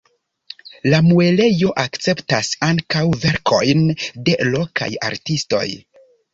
La muelejo akceptas ankaŭ verkojn de lokaj artistoj.